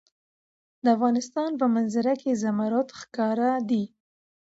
د افغانستان په منظره کې زمرد ښکاره ده.